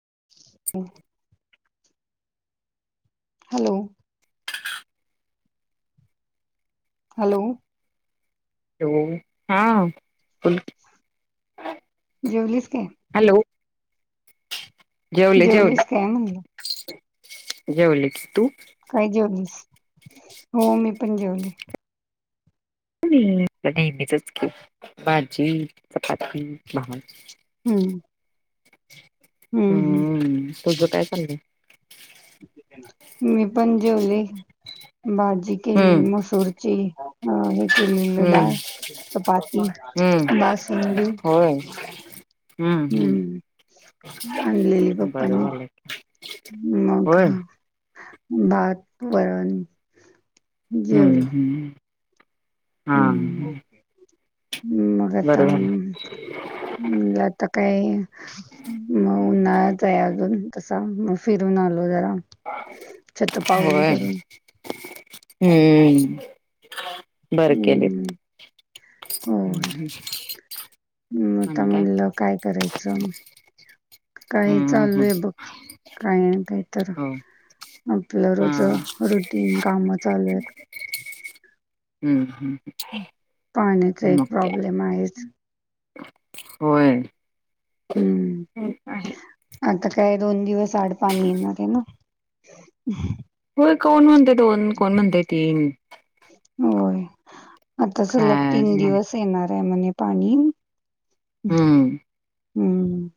[inaudible] Hello hello हो हा बोल की जेवलीस काय? हॅलो जेवले जेवले. जेवलीस काय म्हणलं जवले की तू. काय जेवलीस हो मी पण जेवले. नेहमीचंच की भाजी, चपाती, भात. हम्म. [inaudible] हम्म तुझं काय चाललं? मी पण जेवले. भाजी केलेली हम्म मसूरची अं हे केलेले हम्म डाळ चपाती, हम्म बासुंदी. होय हम्म हम्म हम्म आणलेली बरं पपांनी, झालं मग होय हा. भात, वरण हम्म जेवलो हम्म. हा हम्म. मग आता मग आता काय म उन्हाळाच आहे अजून. कसा फिरून आलो जरा शतपावली होय. करून हम्म बर केलेत. हं, हम् हम् हम् आता म्हणलं काय करायचं? काही हम्म चालू हम्म आहे बघ, काही ना काही तर हो आपलं हा रोज हम्म रुटीन काम चालू आहे. हम्म हम्म पाण्याचा एक मग काय प्रॉब्लेम आहेच. होय हं, हम् आहे आता काय दोन दिवस अ साड पाणी येनारे ना हम त कोण म्हणत? दोन कोण म्हणतय तीन होय आता सलग कायच तीन नाही दिवस येणार आहे म्हणे पाणी हम् हम्म हम्म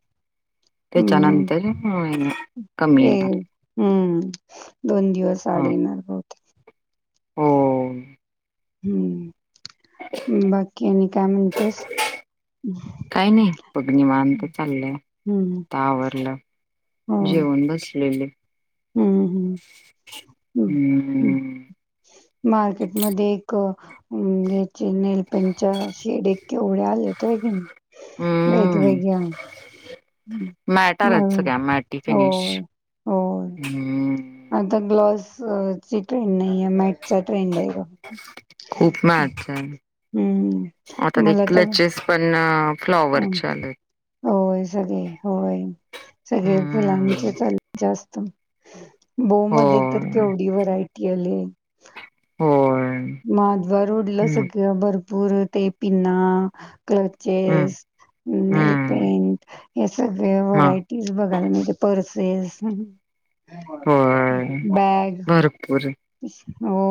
त्याच्यानंतर होइना कमी येणार ह दोन दिवस ह आड येणार भो हो हम्म बाकी आणि काय म्हणत्यात काही नाही पगनिमांत चाललं हं, आता आवरलं जेवण बसलेले हम्म हम्म हम्म मार्केटमध्ये एक अं, याचे नेलपंच्या शेड केवड्या आलेतय ग हम्म वेगवेगळ्या मॅटारच मग सगळ्या मॅटी हो फिनिश हो हम्म आता ग्लॉस ची ट्रेन ट्रेंड खूप आहे् मॅच आहे आता ते मला तर क्लचेस पण हम फ्लॉवरचे आलेत होय सगळे होय सगळे हम्म फुलांचेच आलेत जास्त [inaudible] बोऊ मध्ये तर होय केवढी व्हरायटी आली. हो माधवा रोडला सगळ्या ते पिना हम्म क्लोचेस, हम्म नेलपेंट सगळे मग व्हरायटीज बघायला म्हणजे पर्स [unintelligible] होय भरपूर हो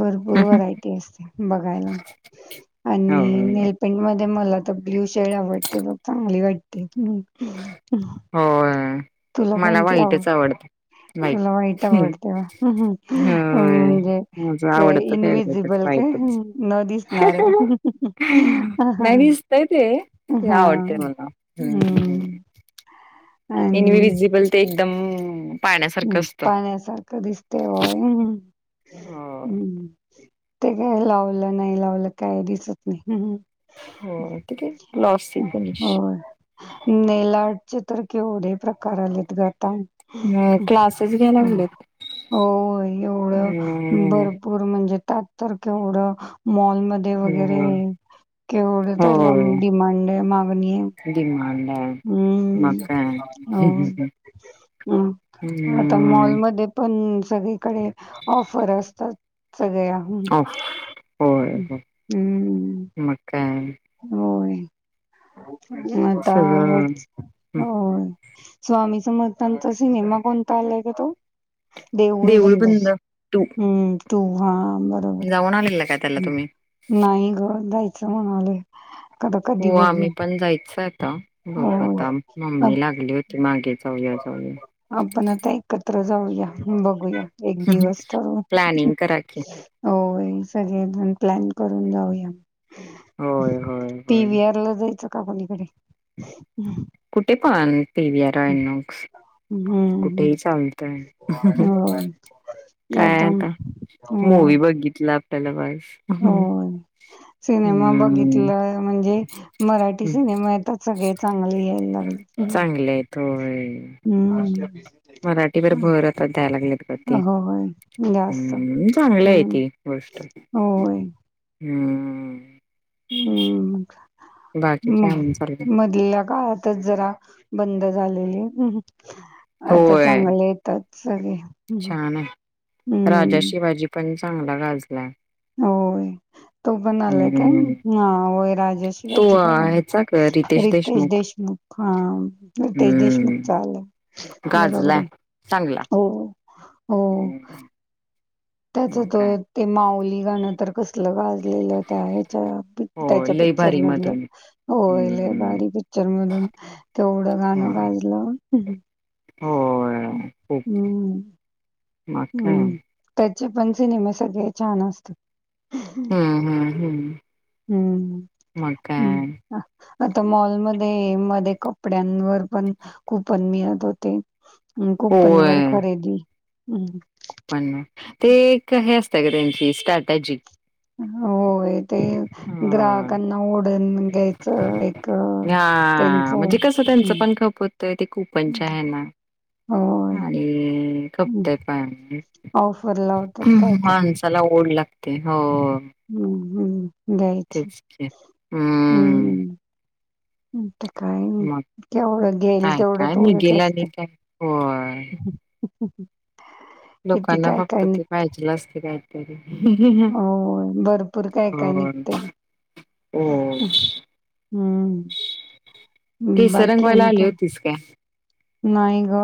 भरपूर व्हरायटी असते बघायला आणि होय नेलपेंट मध्ये मला तर ब्लू शेड [unintelligible] वाट्टे बघ वा [unintelligible] होय. तुला मला कोणती आवड व्हाईटच आवडतं व्हाईट तुला वाईट आवडते होय. म्हणजे माझं का आवडतं फेवरेटच इनवि्हजिबल का व्हाईटच. न दिसणार नाही दिसतय ते ते हा आवडते मला. हम्म हम् आणि विसिबल ते एकदम पाण्यासारखं हम् असतं. पाण्यासारखं दिसत वय होय. ते काय लावलं नाही लावलं काय दिसत नाही. हो ग्लोसी हं. फिनिश चित्र केवढ प्रकार आलेत ग आता ह क्लासेस घ्यायला लागलेत. हो एवढं हम्म भरपूर म्हणजे [unintelligible] मध्ये हो वगैरे केवढ त्याला होय डिमांड आहे मागणी आहे. डिमांड आहे. मग काय. हम्म हो हम्म हम् आता मॉलमध्ये पण सगळीकडे ऑफर असतात. सगळ्या होय होय म हम्म. मग काय आणि? होय. [unintelligible] आता सगळं हेच अ स्वामी समर्थांचा सिनेमा कोणता आलाय गं तो? देऊळ बंद हम्म टू हा बरोबर जाऊन आलेला काय त्याला हू तुम्ही नाही ग [unintelligible] अस म्हणालोय. आता कधी हो आम्ही बघूया. पण जायच ता बघू होय. आता, म आप मम्मी लागली होती मागे जाऊया जाऊया. आपण आता एकत्र जाऊया बघूया. एक दिवस तर, प्लॅनिंग करा की होय सगळे जण प्लॅन करून जाऊया. होय होय पी होय. व्ही आर ला जायचं का पलीकडे उह कुठे पण? पी व्ही आर [unintelligible] हम्म. कुठेही चालतय होय. काय एकदम आता मूवी बघितल् [unintelligible] हो सिनेमा हम्म बघितलं म्हणजे मराठी सिनेमा आता सगळे चांगले यायला लागलेत, हू उ मराठीवर भर आता द्याय लागलेत ग ते होय. जास्त हम्म म चांगलं आये हम्म. ती गोष्ट होय. हम्म्म्. हम्म. काय आणि मग चाललंय मधल्या काळातच जरा बंद झालेल. [unintelligible] आता होय चांगले येतात. सगे छान आय, राजा शिवाजी पण छा चांगला गाजलाय होय तो पण आलाय काय हम्म हा होय राजा तो शिवाजी पण ह्याचा ग आहे रितेश देशमुख हा रितेश हम्म देशमुखचा आलंय बरोबर गाजला आहे चांगला हो हो हम्म, त्याच मग त काय ते माऊली गाणं तर कसल गाजलेलं त्या हच्या हो त्याच्या लई पिक्चर भारी मधलं मधून होल हम्म भारी पिक्चर मधून तेवढं हा गाणं गाजलं होय हम् म काय चे पण सिनेमे सगळे छान असतात हम्म हम्म हम्म हम्म म काय हम्म आ- आता मॉलमध्ये मध्ये कपड्यांवर पण कूपन मिळत होते कुपन वर खरेदी हम न ते एक हे अस सगळ्याची स्ट्रॅटजी हो ते होय ग्राहकांना ओढून घ्यायचं एक त्यांच हा म्हणजे कसं त्यांचं पण खप होतंय ते कुपनच्या आहे ना आणि खपतय पण ऑफर लावतात काय काय ते हो हम्म हम् तेच [unintelligible] काही मग केवढं गेईल काय तेवढं काय तेवढच निघेल असत आणि काय. होय. होक लोकांना फक्त ते पाहिजे असते का क हो भरपूर काय काय होय. निघत हो. हम्म तीस रंगवाला आली होतीस का नाही ह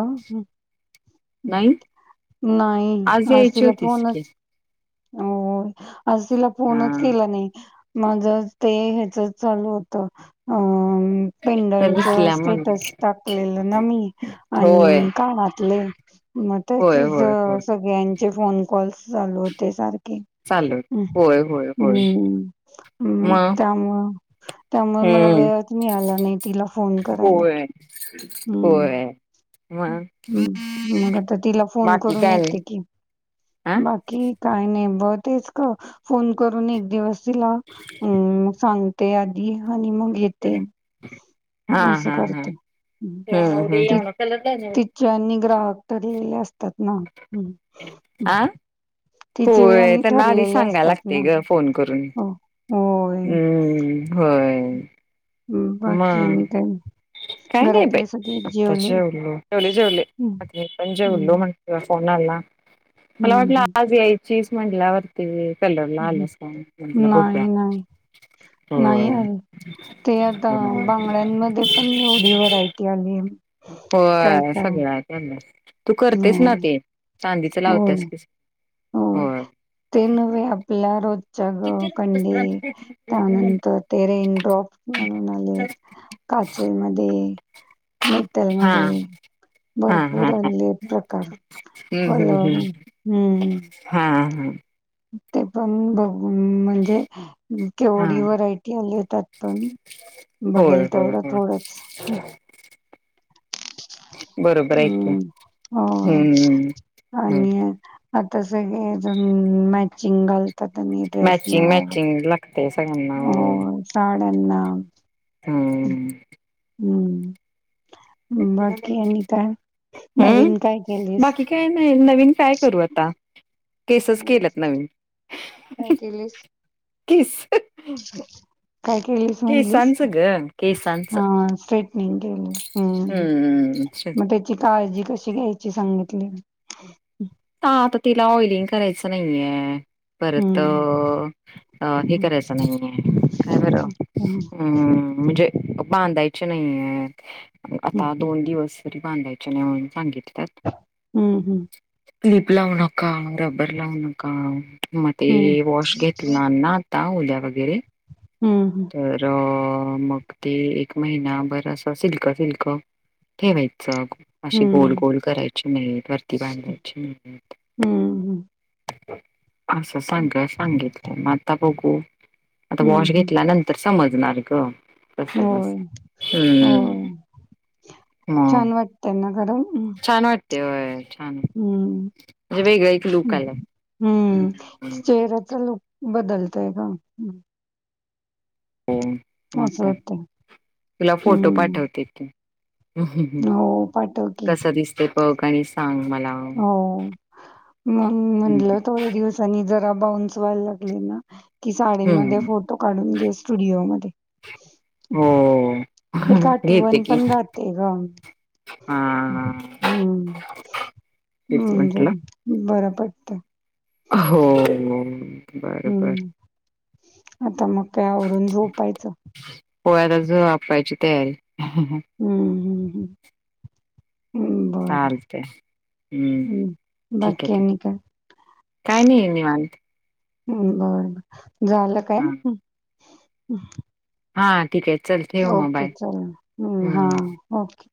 नाही? नाही आज यायची असतीलला होतीस की. पोनच अ आज तिला हा. पोनच केला नाही माझ ते ह्याच चालू होत अ तर पेंडंच दिसल्या म्हणून. स्टेटस टाकलेलं ना मी आणि होय. काय [unintelligible] मग होय त्याची ज होय होय. सगळ्यां चे फोन कॉलस चालू होते सार के चालू होत. होय होय होय. हम्म मंग मग? त्यामळ त्यामुळे मला हम्म. वेळच मिळाला नाही तिला फोन करायला. होय होय. हम्म मग हम् मग आता तिला फोन बाकी करून काय नाही. येते कि, आ? बाकी काय नाय. बतेच का फोन करून एक दिवस ला हम्म सांग ते आधी हनी मग घेते हा असं हा हा. करते. हं. ति तिचे [unintelligible] आणि ग्राहक तरी असतात ना. आं तिचे होय आणि त्यांना आधी ठरलेले सांगायला असतात लागते ना ग फोन करून. हो होय हम्म, होय. हं, [inaudible] बाकी मग आणि काय काय नाही बाई, घरातले सगळे आता जेवले जेवलो. जेवले जेवले. हम्म आपण जेवलो हम्म म्हणतो म्हंटल. होणार ना. मला वाटलं हम्म आज यायची मंडला वरती कलरला आलं हम्म म्हटला बघ्या नाही नाही नाही होय. आले ते आता बांगड्यांमध्ये पण एवढी व्हरायटी आली. काय होय काय सगळ्या त्यांनाच. तू हो करतेस ना ते. चांदीचं लावत्यास कीस हो, ते नव्हे आपल्या रोज त्या ग, किती कंडे त्यानंतर ते रेनड्रॉप म्हणून आले काचे मदे मितल हा मध्ये हा भरपूर हा हा हल्ले प्रकार हम्म हल हम्म हम्म हा हा हा ते पण ब अम्म म्हणजे, अ हा केवढी व्हरायटी आलीय त्यात पण होय बघेल होय तेवढ होय थोडच. हम, बरोबर आहे की हो हम्म हम्म आणि अ आता सगळेजण मॅचिंग घाल मॅचिंग मॅचिंग लाग [unintelligible] ते सांग नाव ना--त्यांना हाममम हम्म बाकी आणि काय उम नवीन काय केलीस? बाकी काय नाय, नवीन काय करू आता? तेसेस हम्म केलत नवीन. काय केलीस? किस [inaudible] चा काय केलीस म्हणलीस? केसांचं ग केसांचं नाही गेल, हम्म हम्म मग त्याची काळजी? कशी घ्यायची सांगितली? आता तिला ऑइलिंग करायच नाइये परत, हम्म. हे हम्म करायच नाइये, काय बर हम्म म्हणजे बांधायचे नाहीये आता दोन दिवस बांधायची नाही म्हणून सांगितलंय हम्म हम्म किलीप लावू नका रब्बर लावू नका मग ते हम्म वॉश घेतला ना ता उद्या वगैरे हम्म तर अं अ मग ते एक महिना बरस सिल्क गिल्क ठेवेल अशी गोल हम्म. गोल करायची नाही ती बांधायची हम्म [inaudible] असं सांगाय सांगितलंय म आता बघु आता हम्म वॉश हम्म घेतल्या नंतर स समजनार गं अ होय. होय हम्म हम बरं हम्म त्या हम्म लुक आला हम्म हम्म, चेहर्‍याचा लूक बदलताय का हो मग काय होतय. तुला फोटो हम्म पाठवते हो पाठव की कस दिसतंय बघ आणि सांग मला. हो म हम्म. म्हटलं थोड्या दिवसांनी जा बाउंस व्हायला लागले ना कि साडीमध्ये हम्म. फोटो काढून घे स्टुडिओमध्ये हो. हे घेते आठवण की पण राहते ग हा हम् हम् तेच ज म्हंटलं. बरोबर पटतं हो बर बर हम्म आता मग काय आवरून झोपायचं पोर झोपायची तयारी हम्म हम्म हम् चालत हम्म हं. ठीक आहे बाकी ठीक आणि काय? काय नाही मी- निवांत बर बर झालं काय? हा हम्म हा ठीक आहे. चल ठेव मग ओके बाय चल हम्म हा ओके.